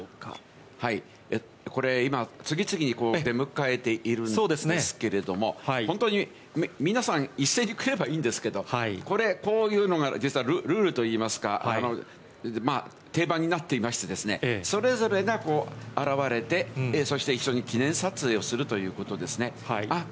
次々に出迎えているんですけれども、本当に皆さん、一斉に来ればいいんですけれども、こういうのがルールといいますか、定番になっていまして、それぞれが現れて、そして一緒に記念撮影をするということですね。